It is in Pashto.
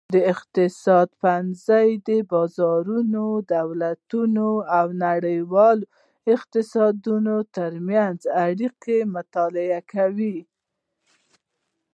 د اقتصاد پوهنځی د بازارونو، دولتونو او نړیوالو اقتصادونو ترمنځ اړیکې مطالعه کوي.